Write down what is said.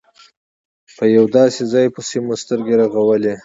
په یو داسې ځای پسې مو سترګې رغولې.